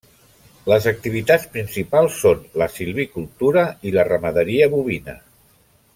Les activitats principals són la silvicultura i la ramaderia bovina.